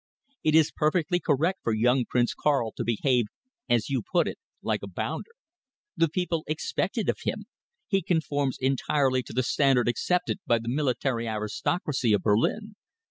It is perfectly correct for young Prince Karl to behave, as you put it, like a bounder. The people expect it of him. He conforms entirely to the standard accepted by the military aristocracy of Berlin.